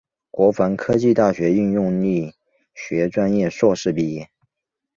国防科技大学应用力学专业硕士毕业。